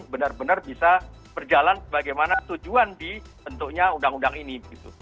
benar benar bisa berjalan sebagaimana tujuan di bentuknya undang undang ini